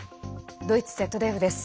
ドイツＺＤＦです。